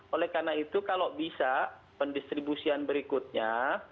oleh karena itu kalau bisa pendistribusian berikutnya